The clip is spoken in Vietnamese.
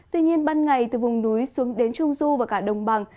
tuy nhiên ban ngày từ vùng núi xuống đến trung du và cả đồng bằng